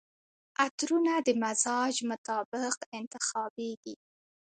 عطرونه د مزاج مطابق انتخابیږي.